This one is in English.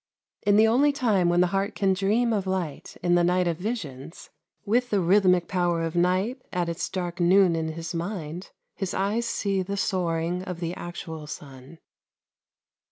In the only time when the heart can dream of light, in the night of visions, with the rhythmic power of night at its dark noon in his mind, his eyes see the soaring of the actual sun.